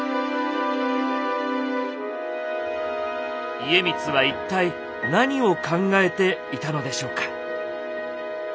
家光は一体何を考えていたのでしょうか。